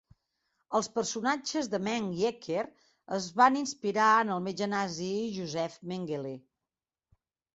Els personatges de Meng i Ecker es va inspirar en el metge nazi Josef Mengele.